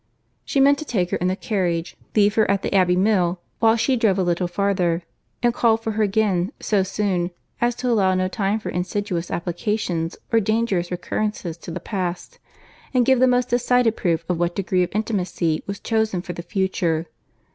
She meant to take her in the carriage, leave her at the Abbey Mill, while she drove a little farther, and call for her again so soon, as to allow no time for insidious applications or dangerous recurrences to the past, and give the most decided proof of what degree of intimacy was chosen for the future.